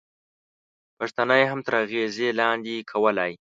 پښتانه یې هم تر اغېزې لاندې کولای.